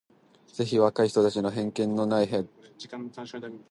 ぜひ若い人たちには偏見のない判断のできる理性と感性を養って貰いたい。